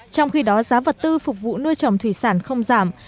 trong khi đó giá vật tư phục vụ nuôi trồng thủy sản không giảm